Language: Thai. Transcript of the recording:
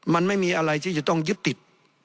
มันไม่มีอะไรที่จะต้องยึดติด